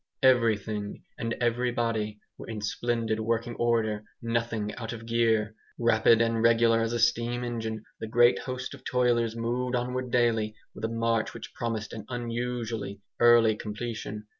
Everything and everybody were in splendid working order, nothing out of gear. Rapid and regular as a steam engine the great host of toilers moved onward daily with a march which promised an unusually early completion.